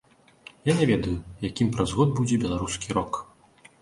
Я не ведаю, якім праз год будзе беларускі рок.